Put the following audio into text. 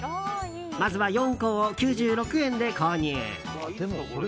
まずは４個を９６円で購入。